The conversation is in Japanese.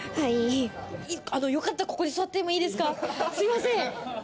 よかったらここに座ってもいいですか？